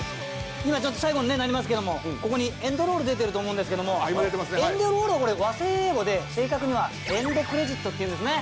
最後になりますけどもここにエンドロール出てると思うんですけどもエンドロール和製英語で正確にはエンドクレジットっていうんですね。